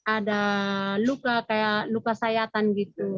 ada luka kayak luka sayatan gitu